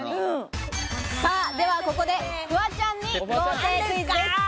では、ここでフワちゃんに豪邸クイズです。